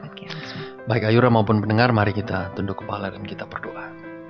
oke baik ayura maupun pendengar mari kita tunduk kepala dan kita berdoa